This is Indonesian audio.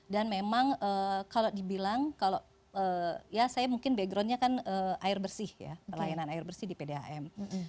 dan memang kalau dibilang saya mungkin backgroundnya kan air bersih pelayanan air bersih di pdam